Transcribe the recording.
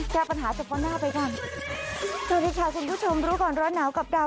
แก้ปัญหาเฉพาะหน้าไปกันสวัสดีค่ะคุณผู้ชมรู้ก่อนร้อนหนาวกับดาว